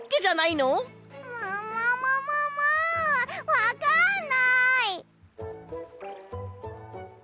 わかんない！